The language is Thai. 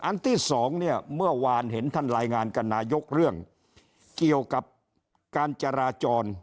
อันที่สองเนี่ยเมื่อวานเห็นท่านรายงานกับนายกเรื่องเกี่ยวกับการจราจร